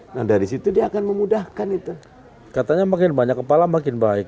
dan dari situ dia akan memudahkan itu katanya makin banyak kepala makin baik